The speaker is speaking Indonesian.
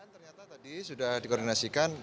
ternyata tadi sudah dikoordinasikan